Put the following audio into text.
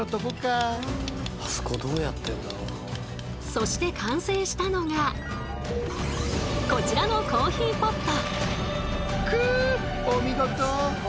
そして完成したのがこちらのコーヒーポット。